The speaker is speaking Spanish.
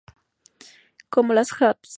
Como las spp.